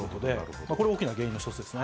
これが大きな原因の一つです。